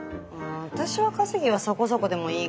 私は稼ぎはそこそこでもいいかな。